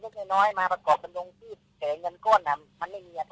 หรือเลือดน้อยมาประกอบบันโลงชีพเศร้าเงินก้นแล้วมันทุกวัน